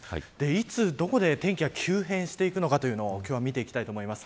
いつどこで天気が急変していくのかというのを見ていきたいと思います。